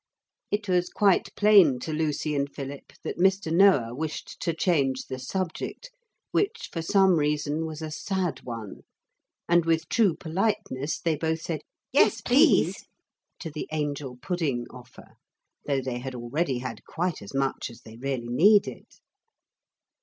It was quite plain to Lucy and Philip that Mr. Noah wished to change the subject, which, for some reason, was a sad one, and with true politeness they both said 'Yes, please,' to the angel pudding offer, though they had already had quite as much as they really needed.